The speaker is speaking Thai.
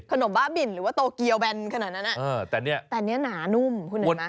ขนมบ้าบิ่นหรือว่าโตเกียวแบนขนาดนั้นนะแต่นี้หนานุ่มคุณเห็นไหม